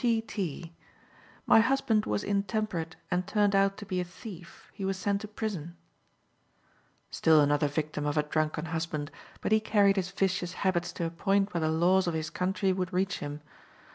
P. T.: "My husband was intemperate, and turned out to be a thief. He was sent to prison." Still another victim of a drunken husband, but he carried his vicious habits to a point where the laws of his country would reach him.